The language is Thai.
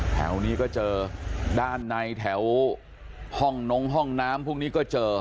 แถวนี้ก็เจอด้านในแถวห้องนงห้องน้ำพวกนี้ก็เจอ